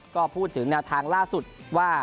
ก็พูดถึงแนวทางล่าสุดว่า